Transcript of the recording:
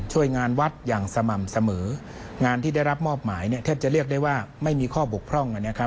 ช่วยงานวัดอย่างสม่ำเสมองานที่ได้รับมอบหมายแทบจะเรียกได้ว่าไม่มีข้อบกพร่อง